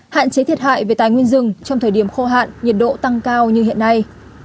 hạn chế thiệt hại về tài nguyên rừng trong thời điểm khô hạn nhiệt độ tăng cao như hiện nay